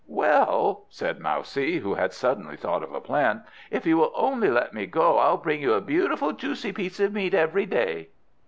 "Well," said Mousie, who had suddenly thought of a plan; "if you will only let me go, I'll bring you a beautiful juicy piece of meat every day!"